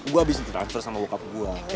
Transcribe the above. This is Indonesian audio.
gue abis itu terancur sama bokap gue